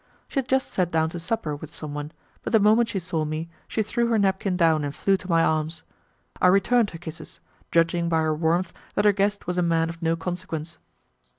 She had just sat down to supper with someone, but the moment she saw me she threw her napkin down and flew to my arms. I returned her kisses, judging by her warmth that her guest was a man of no consequence.